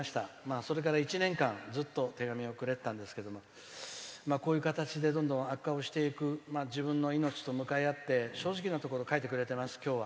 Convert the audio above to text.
それから１年間、ずっと手紙をくれていたんですけどこういう形でどんどん悪化をしていく自分の命と向かい合って正直なところを書いてくれています今日は。